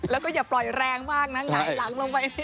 แล้วก็อย่าปล่อยแรงมากนะหงายหลังลงไป